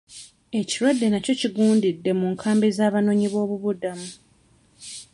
Ekirwadde nakyo kigundidde mu nkambi z'abanoonyi b'obubuddamu.